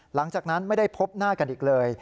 หลังจากนั้นไม่ได้พบหน้ากันอีกเลย